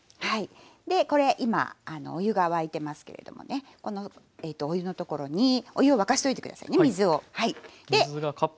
でこれ今お湯が沸いてますけれどもねこのお湯のところにお湯を沸かしといて下さいね水をはい。